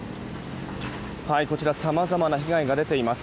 さまざまな被害が出ています